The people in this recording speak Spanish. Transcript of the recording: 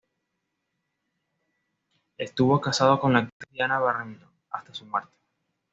Estuvo casado con la actriz Diana Barrington hasta su muerte.